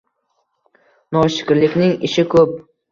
Noshirlikning ishi ko’p.